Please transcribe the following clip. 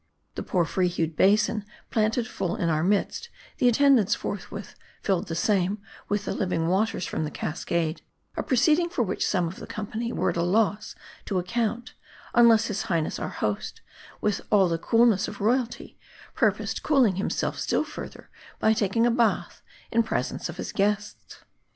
The porphyry hued basin planted full in our midst, the attendants forthwith filled the same with the living waters from the cascade ; a proceeding, for which gome of the company were at a loss to account, unless his highness, our host, with all the coolness of royalty, purposed cooling him self still further, by taking a bath in presence of his guests.